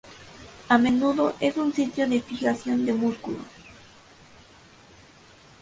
A menudo es un sitio de fijación de músculos.